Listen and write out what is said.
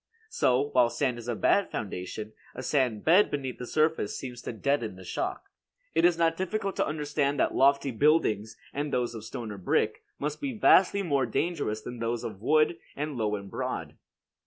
So, while sand is a bad foundation, a sand bed beneath the surface seems to deaden the shock. It is not difficult to understand that lofty buildings, and those of stone or brick, must be vastly more dangerous than those of wood, and low and broad.